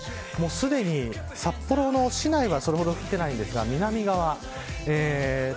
すでに札幌の市内はそれほど降ってないんですが南側と